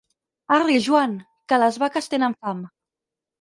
Arri, Joan!, que les vaques tenen fam.